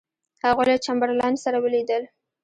هغوی له چمبرلاین سره ولیدل.